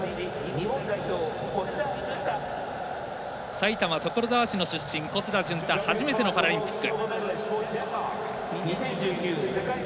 埼玉所沢市の出身、小須田潤太初めてのパラリンピック。